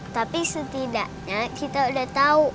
tapi setidaknya kita udah tau